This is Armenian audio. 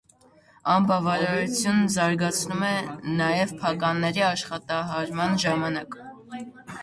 Անբավարարություն զարգանում է նաև փականների ախտահարման ժամանակ։